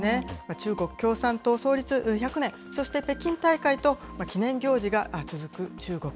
中国共産党創立１００年、そして北京大会と、記念行事が続く中国。